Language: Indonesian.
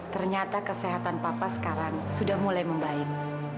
ternyata kesehatan papa sekarang sudah mulai membaik